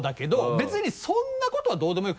別にそんなことはどうでもよくて。